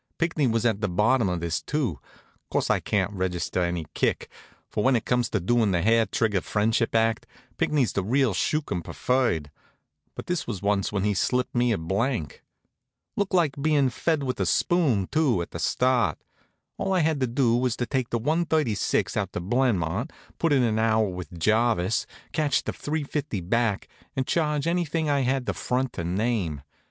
Pinckney was at the bottom of this, too. Course, I can't register any kick; for when it comes to doing the hair trigger friendship act, Pinckney's the real skookum preferred. But this was once when he slipped me a blank. Looked like bein' fed with a spoon, too, at the start. All I had to do was to take the one thirty six out to Blenmont, put in an hour with Jarvis, catch the three fifty back, and charge anything I had the front to name.